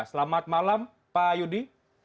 selamat malam pak yudi